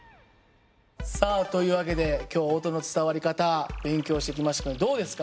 さあという訳で今日は音の伝わり方勉強してきましたけどどうですか？